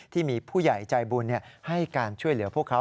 ที่มีผู้ใหญ่ใจบุญให้การช่วยเหลือพวกเขา